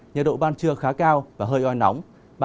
nhiệt độ ban trưa khá cao và hơi oi nóng